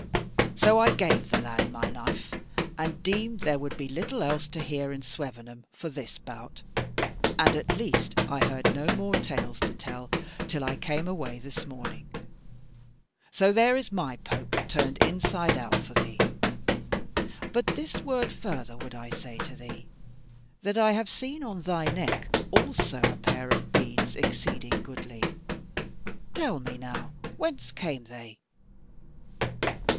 "So I gave the lad my knife, and deemed there would be little else to hear in Swevenham for this bout; and at least I heard no more tales to tell till I came away this morning; so there is my poke turned inside out for thee. But this word further would I say to thee, that I have seen on thy neck also a pair of beads exceeding goodly. Tell me now whence came they."